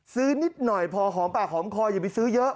นิดหน่อยพอหอมปากหอมคออย่าไปซื้อเยอะ